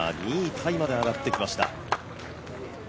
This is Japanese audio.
タイまで上がってきました。